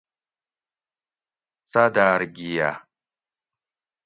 "څاداۤر گِھیہ"""